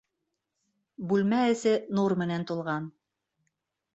Бүлмә эсе нур менән тулған.